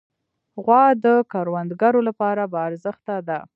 غوا د کروندګرو لپاره باارزښته ده.